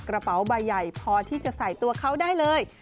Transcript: กระเป๋าใบใหญ่พอที่จะใส่ตัวเขาได้เลย